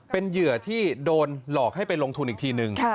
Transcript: เป็นเหยื่อที่โดนหลอกให้ไปลงทุนอีกทีนึง